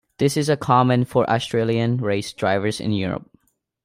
This is common for Australian race drivers in Europe.